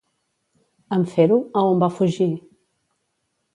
En fer-ho, a on va fugir?